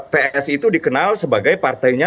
psi itu dikenal sebagai partainya